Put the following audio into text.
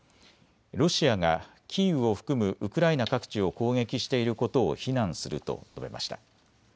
ロシアがキーウを含むウクライナ各地を攻撃していることを非難すると述べました。